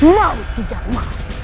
mau di jerman